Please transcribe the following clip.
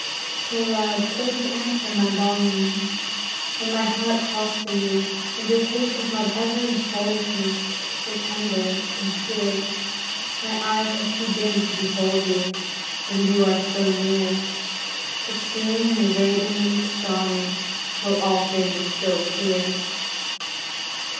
So, love, though you answer my longings. When my heart calls for you, And your patient love ever enfolds me, So tender and true, — My eyes are too dim to behold you, Though you are so near ; But soon, in a radiant dawning, Will all things grow clear.